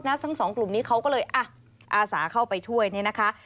เพราะว่าทั้งสองกลุ่มนี้เขาก็เลยอาสาเข้าไปช่วยนี่นะคะ